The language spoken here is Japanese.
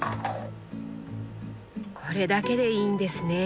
これだけでいいんですね。